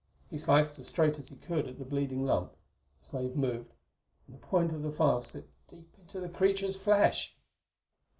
He sliced as straight as he could at the bleeding lump; the slave moved; and the point of the file slipped deep into the creature's flesh!